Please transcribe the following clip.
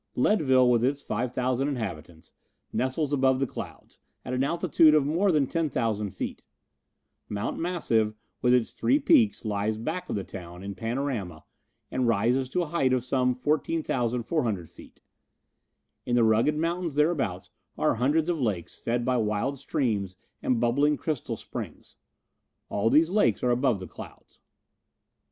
Leadville, with its 5,000 inhabitants, nestles above the clouds, at an altitude of more than 10,000 feet. Mount Massive with its three peaks lies back of the town in panorama and rises to a height of some 14,400 feet. In the rugged mountains thereabouts are hundreds of lakes fed by wild streams and bubbling crystal springs. All these lakes are above the clouds.